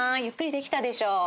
ゆっくりできたでしょ？